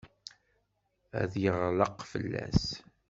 Ad yeɣleq fell-as.